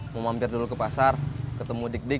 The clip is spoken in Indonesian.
mau mampir dulu ke pasar ketemu dik dik